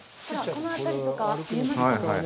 この辺りとか見えますかね。